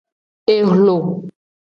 Ehlo.